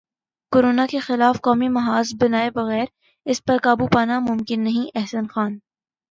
corona کے خلاف قومی محاذ بنائے بغیر اس پر قابو پانا ممکن نہیں احسن خان